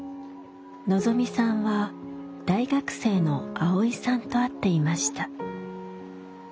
のぞみさんは大学生のアオイさんと会っていました。